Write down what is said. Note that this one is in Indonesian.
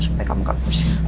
supaya kamu gak pusing